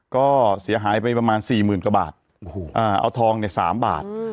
ก็เสียหายไปประมาณสี่หมื่นกว่าบาทโอ้โหเอาทองเนี่ย๓บาท